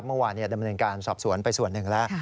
เมื่อวานดำเนินการสอบสวนไปส่วนหนึ่งแล้ว